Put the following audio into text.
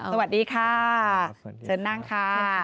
สวัสดีค่ะเชิญนั่งค่ะ